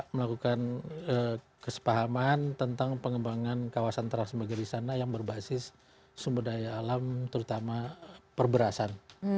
melakukan kesepahaman tentang pengembangan kawasan transmigrasi sana yang berbasis sumber daya alam terutama perberasan